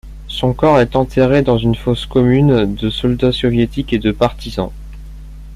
Son corps est enterré dans une fosse commune de soldats soviétiques et de partisans.